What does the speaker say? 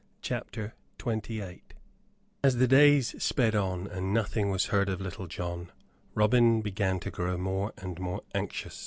CHAPTER XXVIII As the days sped on and nothing was heard of Little John, Robin began to grow more and more anxious.